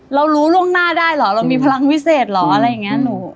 รู้ล่วงหน้าได้เหรอเรามีพลังวิเศษเหรออะไรอย่างนี้หนู